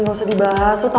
gak usah dibahas